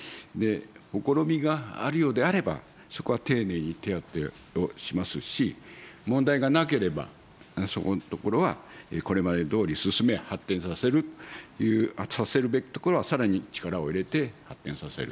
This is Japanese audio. ほころびがあるようであれば、そこは丁寧に手当てをしますし、問題がなければ、そこのところはこれまでどおり進め、発展させるという、させるべきところはさらに力を入れて発展させる。